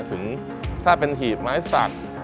ถึงถ้าเป็นหีบไม้สัตว์